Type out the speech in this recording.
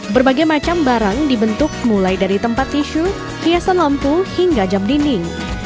berbagai macam barang dibentuk mulai dari tempat tisu hiasan lampu hingga jam dinding